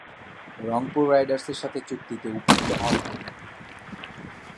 রংপুর রাইডার্সের সাথে চুক্তিতে উপনীত হন তিনি।